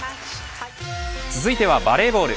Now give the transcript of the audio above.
続いてはバレーボール。